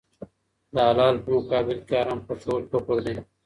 د حلالو په مقابل کي حرام خوښول کفر دی.